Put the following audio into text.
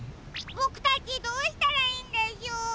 ボクたちどうしたらいいんでしょう？